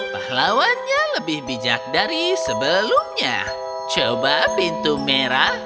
pahlawannya lebih bijak dari sebelumnya coba pintu merah